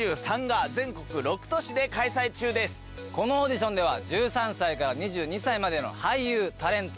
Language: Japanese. このオーディションでは１３歳から２２歳までの俳優タレント